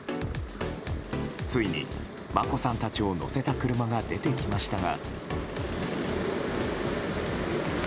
ついに、眞子さんたちを乗せた車が出てきましたが。